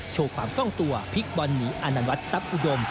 โชว์ความคล่องตัวพลิกบอลหนีอานันวัดทรัพย์อุดม